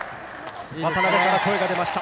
渡辺から声が出ました。